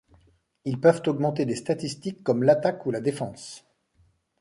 Ils peuvent augmenter des statistiques comme l'attaque ou la défense.